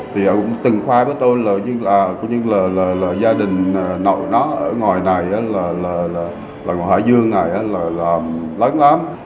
thì cũng từng khoa với tôi là gia đình nội nó ở ngoài này là ngoài hải dương này là lớn lắm